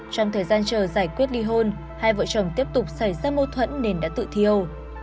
trong thời gian chờ giải quyết ly hôn hai vợ chồng tiếp tục xảy ra mâu thuẫn nên đã tự thiêu